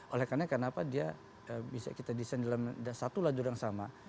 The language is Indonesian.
oleh karena kenapa dia bisa kita desain dalam satu lajur yang sama